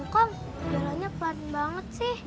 kok jalannya pelan banget sih